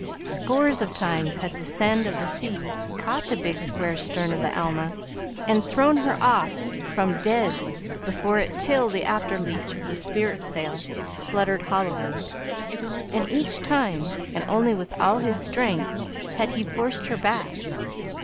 Scores of times had the send of the sea caught the big square stern of the Alma and thrown her off from dead before it till the after leach of the spritsail fluttered hollowly, and each time, and only with all his strength, had he forced her back.